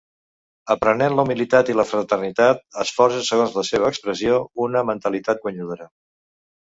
Aprenent la humilitat i la fraternitat, es forja segons la seva expressió, una mentalitat guanyadora.